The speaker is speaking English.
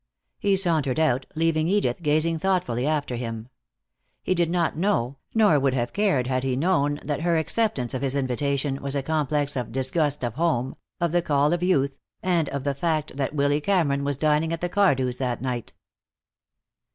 He sauntered out, leaving Edith gazing thoughtfully after him. He did not know, nor would have cared had he known, that her acceptance of his invitation was a complex of disgust of home, of the call of youth, and of the fact that Willy Cameron was dining at the Cardews that night.